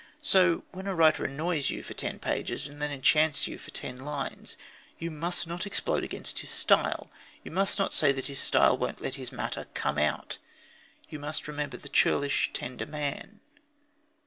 So, when a writer annoys you for ten pages and then enchants you for ten lines, you must not explode against his style. You must not say that his style won't let his matter "come out." You must remember the churlish, tender man.